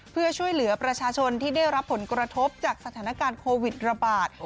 เพื่อช่วยเหลือประชาชนที่ได้รับผลกระทบจากสถานการณ์โควิดระบาด